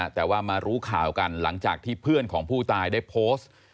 แต่ว่ามารู้ข่าวกันหลังจากที่เพื่อนของผู้ตายได้โพสต์